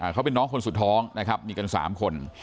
เขาเป็นน้องคนสุดท้องนะครับมีกัน๓คน